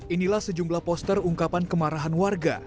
inilah sejumlah poster ungkapan kemarahan warga